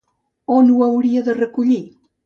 On ho hauria de recollir?